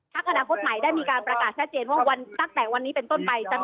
อนาคตใหม่ได้มีการประกาศชัดเจนว่าตั้งแต่วันนี้เป็นต้นไป